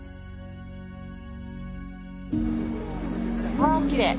わあきれい。